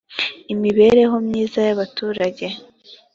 imibereho myiza y abaturage